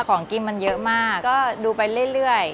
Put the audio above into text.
ของกินมันเยอะมากก็ดูไปเรื่อย